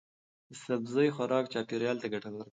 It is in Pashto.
د سبزی خوراک چاپیریال ته ګټور دی.